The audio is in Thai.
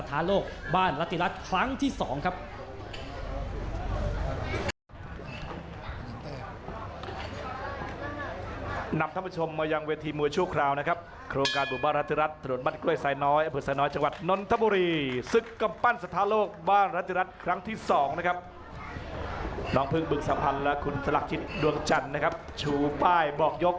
ทะเลิงประเทศชาติไทยทวีมีชัยชะโย